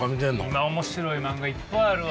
今面白い漫画いっぱいあるわ！